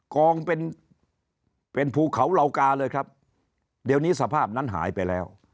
กองเป็นเป็นภูเขาเหล่ากาเลยครับเดี๋ยวนี้สภาพนั้นหายไปแล้ว